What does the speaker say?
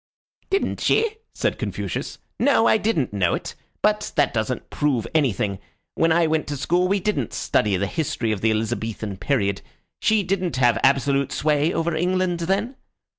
"Didn't she?" said Confucius. "No, I didn't know it; but that doesn't prove anything. When I went to school we didn't study the history of the Elizabethan period. She didn't have absolute sway over England, then?"